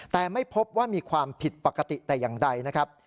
แต่ไม่พบว่ามีความผิดปกติแต่อย่างใดนะครับ